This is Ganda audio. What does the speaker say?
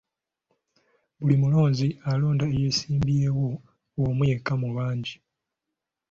Buli mulonzi alonda eyeesimbyewo omu yekka mu bangi.